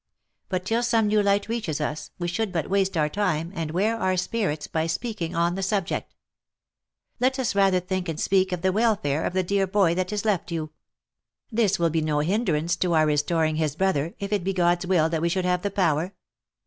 But till some new light reaches us, we should but waste our time, and wear our spirits by speaking on the subject. Let us rather think and speak of the welfare of the dear boy that is left you ; this will be no 'hindrance to our restoring his brother, if it be God's will that we 230 THE LIFE AND ADVENTURES should have the power.